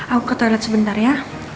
aku ke toilet sebentar ya